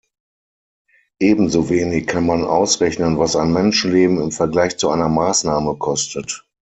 Ebensowenig kann man ausrechnen, was ein Menschenleben im Vergleich zu einer Maßnahme kostet.